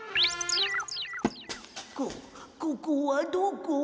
こここはどこ？